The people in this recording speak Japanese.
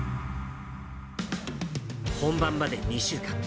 本番まで２週間。